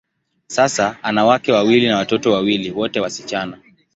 Sasa, ana wake wawili na watoto wawili, wote wasichana.